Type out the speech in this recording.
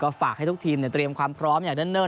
ฝากให้ทุกทีมเตรียมความพร้อมอย่างเนิ่น